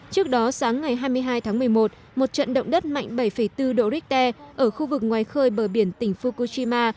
trước đó sáng ngày hai mươi hai tháng một mươi một một trận động đất mạnh bảy bốn độ richter ở khu vực ngoài khơi bờ biển tỉnh fukushima